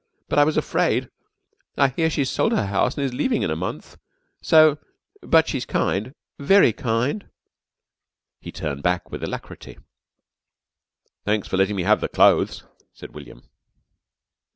But I was afraid and I hear she's sold her house and is leaving in a month, so but she's kind very kind." He turned back with alacrity. "Thanks for letting me have the clothes," said William.